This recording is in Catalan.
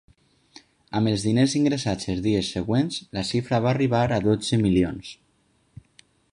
Amb els diners ingressats els dies següents, la xifra va arribar a dotze milions.